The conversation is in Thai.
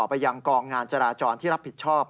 ไปยังกองงานจราจรที่รับผิดชอบ